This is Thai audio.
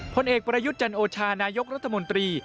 ผลเอกประยุทธ์จันโอชานายกรัฐมนตรี